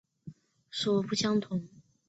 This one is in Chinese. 浣熊市会随时间不同而设定有所不同。